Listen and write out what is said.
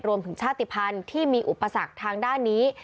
รวมถึงชาติภัณฑ์ที่มีอุปสรรคทางด้านนี้